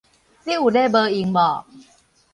你有咧無閒無